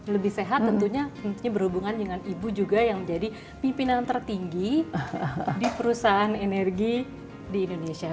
lebih sehat tentunya berhubungan dengan ibu juga yang menjadi pimpinan tertinggi di perusahaan energi di indonesia